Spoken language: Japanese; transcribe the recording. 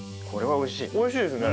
おいしいですね。